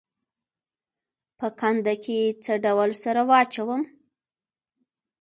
په کنده کې څه ډول سره واچوم؟